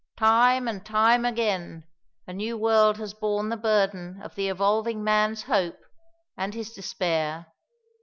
Time and time again a new world has borne the burden of the evolving man's hope and his despair....